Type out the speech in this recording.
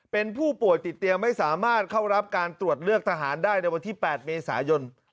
เป็นผู้ป่วยติดเตียงไม่สามารถเข้ารับการตรวจเลือกทหารได้ในวันที่๘เมษายน